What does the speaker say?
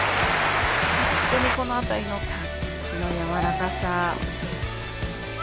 本当にこの辺りのタッチのやわらかさ。